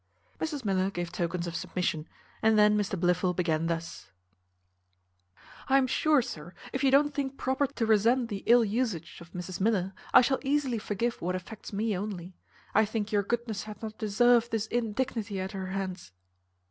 Mrs Miller gave tokens of submission, and then Mr Blifil began thus: "I am sure, sir, if you don't think proper to resent the ill usage of Mrs Miller, I shall easily forgive what affects me only. I think your goodness hath not deserved this indignity at her hands."